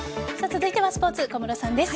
続いてはスポーツ小室さんです。